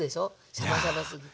シャバシャバすぎて。